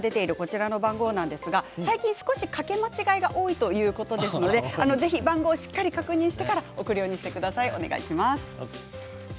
ファックス番号が出ていますけれども、最近少し、かけ間違いが多いということですのでぜひ番号をしっかり確認してから送るようにしてください。